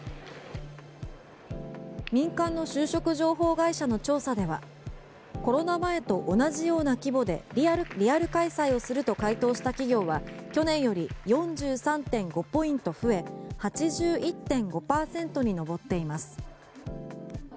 民間の就職情報会社の調査ではコロナ前と同じような規模でリアル開催をすると回答した企業は去年より４３．５ポイント増え８１．５％に上っています。